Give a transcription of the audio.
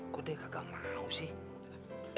kok dia kagak mau sih